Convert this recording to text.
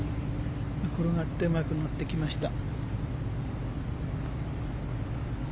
転がってうまく乗ってきました。